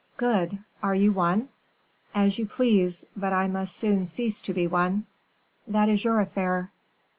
"Good; are you one?" "As you please, but I must soon cease to be one." "That is your affair."